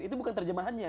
itu bukan terjemahannya